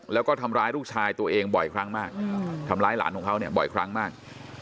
แล้วก็ทำร้ายลูกชายตัวเองบ่อยครั้งมากทำร้ายหลานของเขาเนี่ยบ่อยครั้งมาก